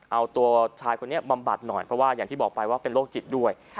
เอาตัวชายคนนี้บำบัดหน่อยเพราะว่าอย่างที่บอกไปว่าเป็นโรคจิตด้วย